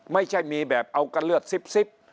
ไม่ใช่มีแบบเอากันเลือดซิบ